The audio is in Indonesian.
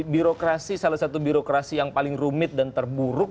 birokrasi salah satu birokrasi yang paling rumit dan terburuk